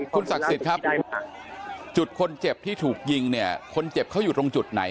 คุณทราบเศษกรุกครับจุดคนเจ็บที่ถูกยิงเนี่ยคนเจ็บเขาอยุ่ตรงจุดไหนค่ะ